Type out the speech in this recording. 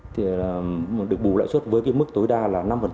thì được bù lãi suất với cái mức tối đa là năm